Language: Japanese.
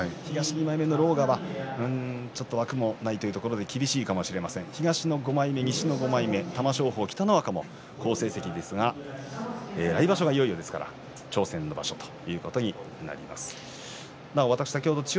東２枚目の狼雅が枠もないというところで厳しいかもしれません東の５枚目玉正鳳と北の若も好成績ですが来場所がいよいよ挑戦の場所となります。